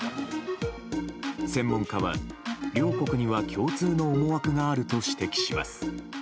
専門家は、両国には共通の思惑があると指摘します。